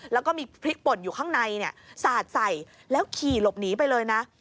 แล้วก็มีพริกป่นอยู่ข้างในสาดใส่แล้วขี่หลบหนีไปเลยนะ